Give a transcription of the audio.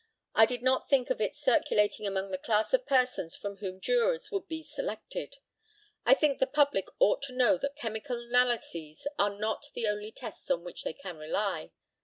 I did not think of it circulating among the class of persons from whom jurors would be selected. I think the public ought to know that chemical analyses are not the only tests on which they can rely.